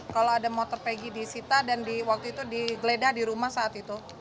kalau ada motor pegi disita dan di waktu itu digeledah di rumah saat itu